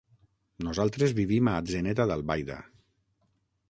Nosaltres vivim a Atzeneta d'Albaida.